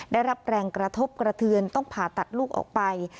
ได้รับแรงกระทบกระเทือนต้องผ่าตัดลูกออกไป